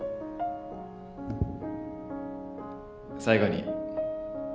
最後に。